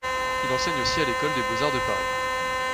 Il enseigne aussi à l’École des beaux-arts de Paris.